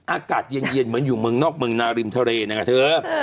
อากาศเย็นเหมือนอยู่เมืองนอกเมืองนาริมทะเลนะคะเธอ